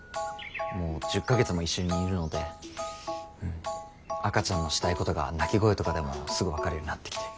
もう１０か月も一緒にいるので赤ちゃんのしたいことが泣き声とかでもすぐ分かるようになってきて。